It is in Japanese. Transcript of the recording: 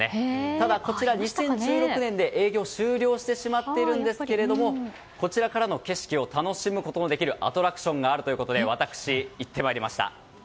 ただ、こちらは２０１６年で営業を終了してしまっていますがこちらからの景色を楽しむこともできるアトラクションがあるということで私、行ってまいりました。